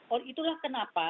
oh itulah kenapa